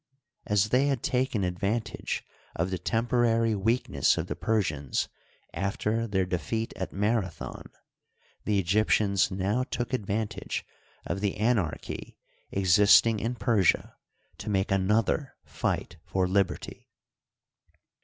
As they had taken advantage of the temporary weakness of the Persians after their defeat at Marathon, the Egyp tians now took advantage of the anarchy existing in Per sia to make another fight for liberty.